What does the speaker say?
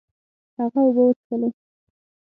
هغه اوبه وڅښلې.